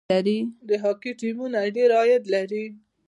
د هاکي ټیمونه ډیر عاید لري.